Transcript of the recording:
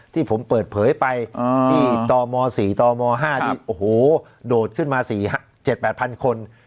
ที่ผมเปิดเผยไปต่อม๔ต่อม๕โดดขึ้นมา๗๘พันคน